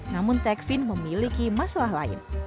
namun techfin memiliki masalah lain